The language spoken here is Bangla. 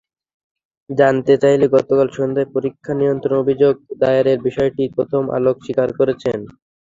জানতে চাইলে গতকাল সন্ধ্যায় পরীক্ষা নিয়ন্ত্রক অভিযোগ দায়েরের বিষয়টি প্রথম আলোকে স্বীকার করেছেন।